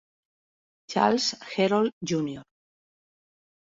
Charles Herold Jr.